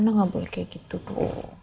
rena gak boleh kayak gitu tuh